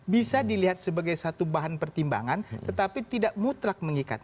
bisa dilihat sebagai satu bahan pertimbangan tetapi tidak mutlak mengikat